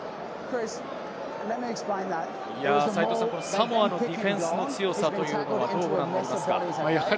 サモアのディフェンスの強さというのは、どうご覧になりますか？